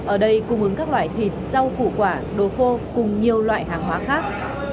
ở đây cung ứng các loại thịt rau củ quả đồ khô cùng nhiều loại hàng hóa khác